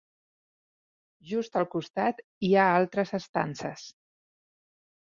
Just al costat hi ha altres estances.